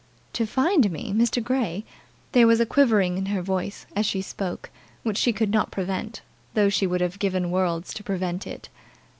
"To find me, Mr. Grey!" There was a quivering in her voice, as she spoke, which she could not prevent, though she would have given worlds to prevent it.